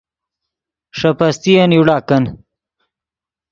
ݰے پستین یوڑا کن